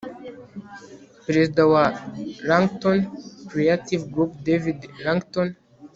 Perezida wa Langton Creative Group David Langton